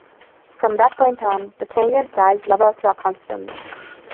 From that point on, the change in size leveled to a constant.